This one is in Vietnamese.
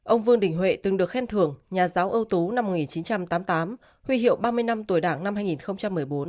ông vương đình huệ từng được khen thưởng nhà giáo ưu tú năm một nghìn chín trăm tám mươi tám huy hiệu ba mươi năm tuổi đảng năm hai nghìn một mươi bốn